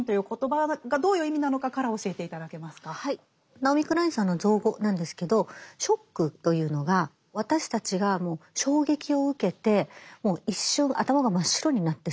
ナオミ・クラインさんの造語なんですけど「ショック」というのが私たちがもう衝撃を受けてもう一瞬頭が真っ白になってしまう。